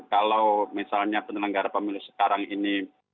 kalau misalnya penyelenggara pemilu sekarang ini